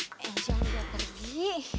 angel udah pergi